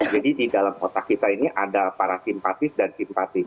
jadi di dalam otak kita ini ada parasimpatis dan simpatis